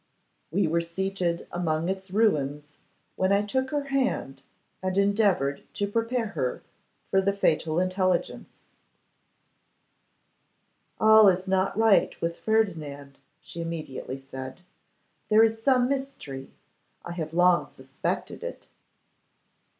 We were seated among its ruins, when I took her hand and endeavoured to prepare her for the fatal intelligence, "All is not right with Ferdinand," she immediately said; "there is some mystery. I have long suspected it."